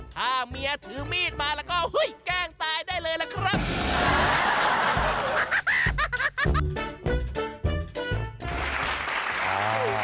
ถ้าเมียถือมีดมาแล้วก็แกล้งตายได้เลยล่ะครับ